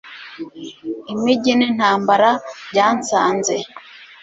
Imijyi nintambara byansanze